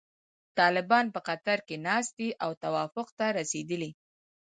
طالبان په قطر کې ناست دي او توافق ته رسیدلي.